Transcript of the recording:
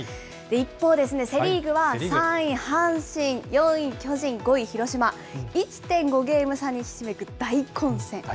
一方、セ・リーグは３位阪神、４位巨人、５位広島、１．５ゲーム差にひしめく大混戦。